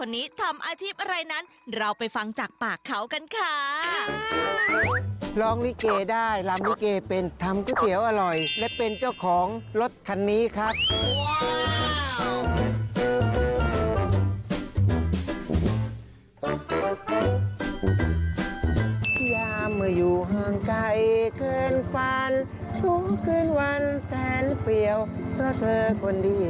นี่แหละค่ะจะเป็นยังไงก๋วยเตี๋ยวลิเกทานไปต้องตั้งวงหรือเปล่าไปดูค่ะ